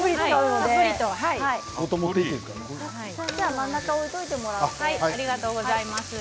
真ん中に置いておいていただいて。